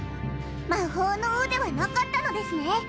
「魔法の王」ではなかったのですね